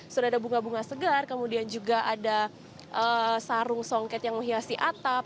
sudah ada bunga bunga segar kemudian juga ada sarung songket yang menghiasi atap